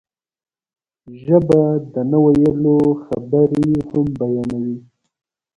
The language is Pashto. ژبه د نه ویلو خبرې هم بیانوي